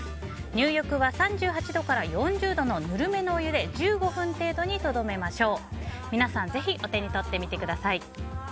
入浴は３８度から４０度のぬるめのお湯で１５分程度にとどめましょう。